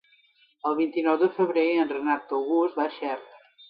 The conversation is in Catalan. El vint-i-nou de febrer en Renat August va a Xert.